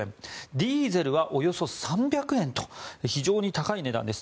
ディーゼルはおよそ３００円と非常に高い値段です。